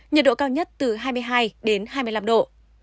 nhiệt độ cao nhất từ hai mươi hai đến hai mươi năm độ